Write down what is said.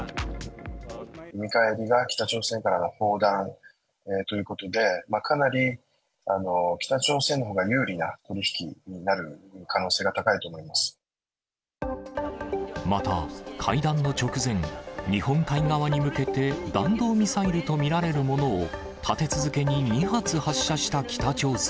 見返りが北朝鮮からの砲弾ということで、かなり北朝鮮のほうが有利な取り引きになる可能性が高いと思いままた、会談の直前、日本海側に向けて、弾道ミサイルと見られるものを立て続けに２発発射した北朝鮮。